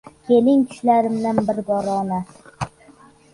Keling tushlarimda bir bora Ona